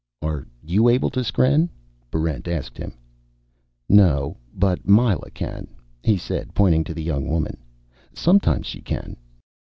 "Are you able to skren?" Barrent asked him. "No. But Myla can," he said, pointing to the young woman. "Sometimes she can."